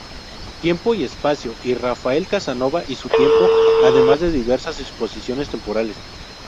Tiempo y espacio" y "Rafael Casanova y su tiempo", además de diversas exposiciones temporales.